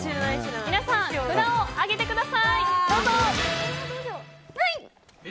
皆さん、札を挙げてください。